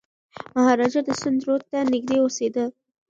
مهاراجا د سند رود ته نږدې اوسېده.